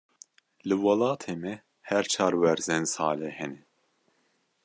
Li welatê me, her çar werzên salê hene.